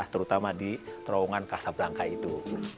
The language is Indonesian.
terutama di terowongan kasablangka itu